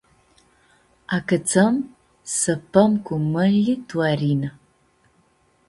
Acãtsãm s-sãpãm cu mãnjli tu arinã.